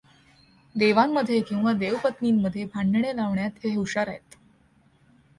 देवांमध्ये किंवा देवपत् नींमध्ये भांडणे लावण्यात हे हुशार आहेत.